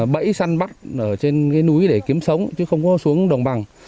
bẫy săn bắt ở trên cái núi để kiếm sống chứ không có xuống đồng bằng